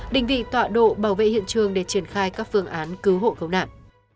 đình vị tọa độ bảo vệ hiện trường để triển khai các phương án cứu hộ không nạn